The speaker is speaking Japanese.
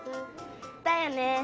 だよね。